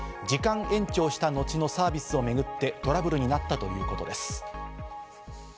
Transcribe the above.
時間延長した後のサービスをめぐってトラブルになったということです。